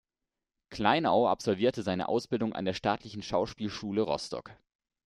Kleinau absolvierte seine Ausbildung an der Staatlichen Schauspielschule Rostock.